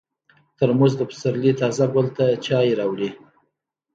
ترموز د پسرلي تازه ګل ته چای راوړي.